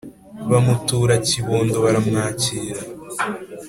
Bamutura Kibondo baramwakira